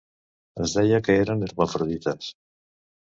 Es deia que eren hermafrodites.